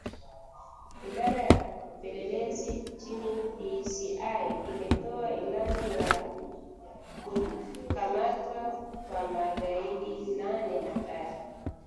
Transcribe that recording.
Idara ya upelelezi nchini DCI imetoa ilani ya kukamatwa kwa magaidi nane hatari